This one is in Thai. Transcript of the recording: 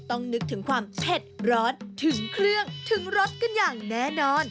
นึกถึงความเผ็ดร้อนถึงเครื่องถึงรสกันอย่างแน่นอน